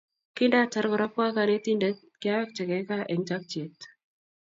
Kindatar korabkwo kanetindet, kiawektekei kaa eng chokchet